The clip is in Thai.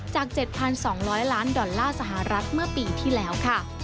จาก๗๒๐๐ล้านดอลลาร์สหรัฐเมื่อปีที่แล้วค่ะ